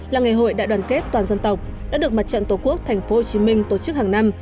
là ngày hội đại đoàn kết toàn dân tộc đã được mặt trận tổ quốc tp hcm tổ chức hàng năm